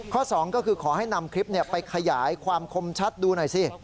สองก็คือขอให้นำคลิปไปขยายความคมชัดดูหน่อยสิ